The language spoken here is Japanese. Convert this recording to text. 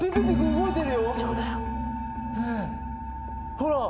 ほら！